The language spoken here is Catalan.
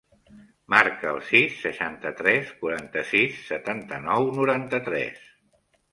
Marca el sis, seixanta-tres, quaranta-sis, setanta-nou, noranta-tres.